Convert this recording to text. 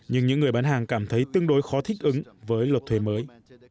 nhưng những người bán hàng cảm thấy tương đối khó thích ứng với luật thuế mới